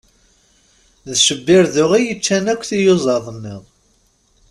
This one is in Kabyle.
D cebbirdu i yeccan akk tiyuzaḍ-nneɣ.